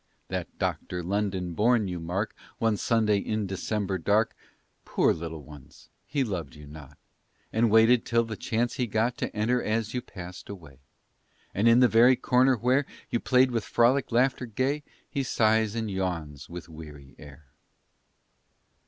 That docto r London born, you mark, One Sunday in December dark, Poor little ones he loved you not, And waited till the chance he got To enter as you passed away, And in the very corner where You played with frolic laughter gay, He sighs and yawns with weary air.